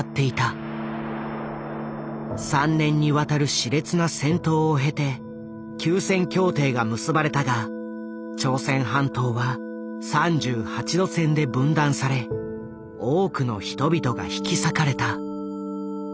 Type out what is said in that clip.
３年にわたるしれつな戦闘を経て休戦協定が結ばれたが朝鮮半島は３８度線で分断され多くの人々が引き裂かれた。